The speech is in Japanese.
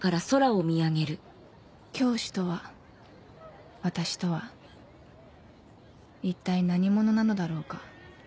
教師とは私とは一体何者なのだろうか